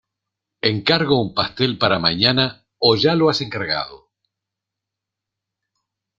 Encargo un pastel para mañana ¿o ya lo has encargado?